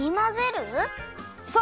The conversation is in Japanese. そう！